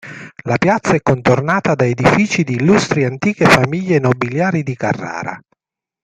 La piazza è contornata da edifici di illustri e antiche famiglie nobiliari di Carrara.